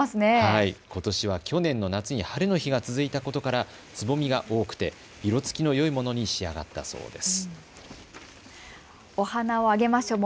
ことしは去年の夏に晴れの日が続いたことから、つぼみが多くて色づきのよいものに仕上がったそうです。